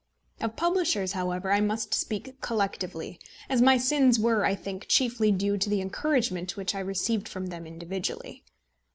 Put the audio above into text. Of publishers, however, I must speak collectively, as my sins were, I think, chiefly due to the encouragement which I received from them individually.